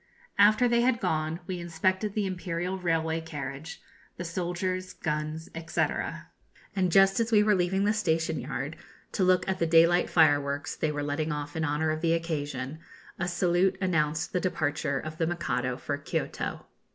After they had gone, we inspected the imperial railway carriage, the soldiers, guns, &c., and just as we were leaving the station yard, to look at the daylight fireworks they were letting off in honour of the occasion, a salute announced the departure of the Mikado for Kioto.